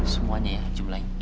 semuanya ya jumlahnya